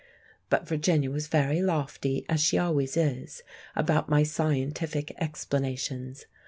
But Virginia was very lofty, as she always is, about my scientific explanations.